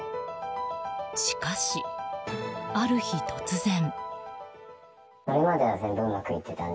しかし、ある日突然。